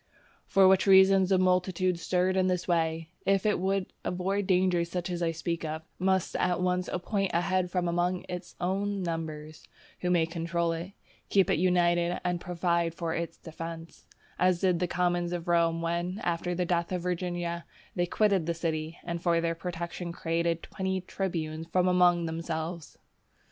For which reason a multitude stirred in this way, if it would avoid dangers such as I speak of, must at once appoint a head from among its own numbers, who may control it, keep it united, and provide for its defence; as did the commons of Rome when, after the death of Virginia, they quitted the city, and for their protection created twenty tribunes from among themselves.